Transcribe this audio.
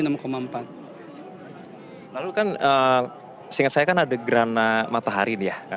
lalu kan seingat saya kan ada gerana matahari ya